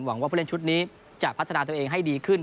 ว่าผู้เล่นชุดนี้จะพัฒนาตัวเองให้ดีขึ้น